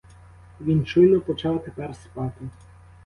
Він чуйно почав тепер спати.